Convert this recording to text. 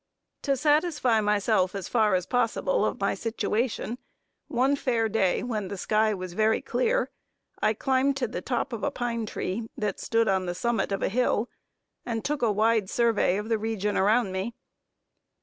To satisfy myself as far as possible of my situation, one fair day, when the sky was very clear, I climbed to the top of a pine tree that stood on the summit of a hill, and took a wide survey of the region around me.